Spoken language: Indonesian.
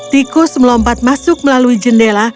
tikus melompat masuk melalui jendela